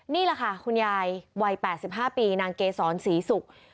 นี่แหละค่ะคุณยายวัย๘๕ปีนางเกษรศรีศุกร์